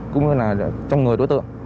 cũng như là trong người đối tượng